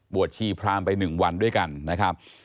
ชีพรามไป๑วันด้วยกันนะครับ